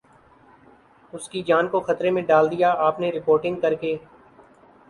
اسکی جان کو خطرے میں ڈال دیا آپ نے رپورٹنگ کر کے